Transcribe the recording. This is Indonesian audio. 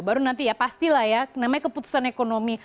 baru nanti ya pasti lah ya namanya keputusan ekonomi